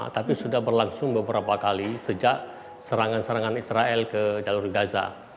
tapi sudah berlangsung beberapa kali sejak serangan serangan israel ke jalur gaza